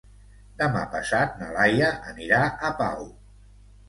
Demà passat na Laia anirà a Pau.